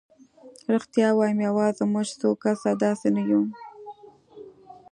رښتیا ووایم یوازې موږ څو کسه داسې نه وو.